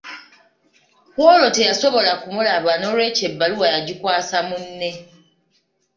Kwolwo teyasobola kumulaba n’olwekyo ebbaluwa yagikwasa munne.